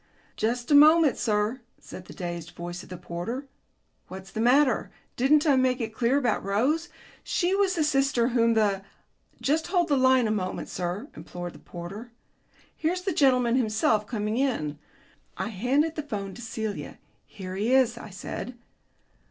"Just a moment, sir," said the dazed voice of the porter. "What's the matter? Didn't I make it clear about Rose? She was the sister whom the " "Just hold the line a moment, sir," implored the porter. "Here's the gentleman himself coming in." I handed the telephone to Celia. "Here he is," I said.